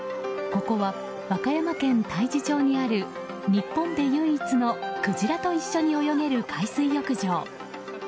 ここは、和歌山県太地町にある日本で唯一のクジラと一緒に泳げる海水浴場。